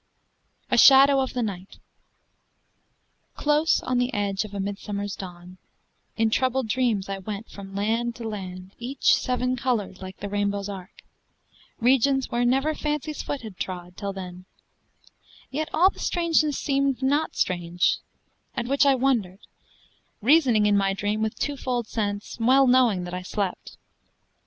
A SHADOW OF THE NIGHT Close on the edge of a midsummer dawn In troubled dreams I went from land to land, Each seven colored like the rainbow's arc, Regions where never fancy's foot had trod Till then; yet all the strangeness seemed not strange, At which I wondered, reasoning in my dream With twofold sense, well knowing that I slept.